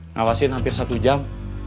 ngawasin hampir satu jam